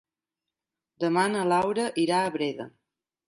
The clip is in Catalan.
Demà na Laura irà a Breda.